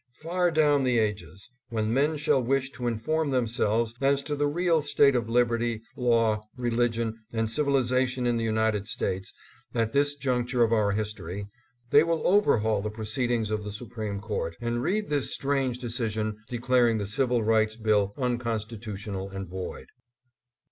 Far down the ages, when men shall wish to inform themselves as to the real state of liberty, law, religion, and civilization in the United States at this juncture of our history, they will overhaul the pro 656 ADDRESS AT LINCOLN HALL. ceedings of the Supreme Court, and read this strange decision declaring the Civil Rights Bill unconstitutional and void.